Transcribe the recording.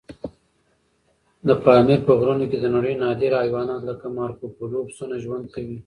د پامیر په غرونو کې د نړۍ نادر حیوانات لکه مارکوپولو پسونه ژوند کوي.